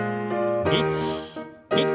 １２。